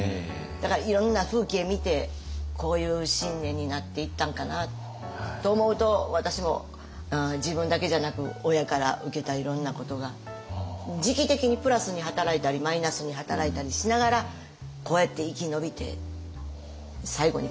だからいろんな風景見てこういう信念になっていったんかなと思うと私も自分だけじゃなく親から受けたいろんなことが時期的にプラスに働いたりマイナスに働いたりしながらこうやって生き延びて最後に答えになっていくんやね。